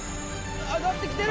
上がってきてる！